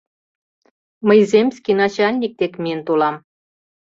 — Мый земский начальник дек миен толам.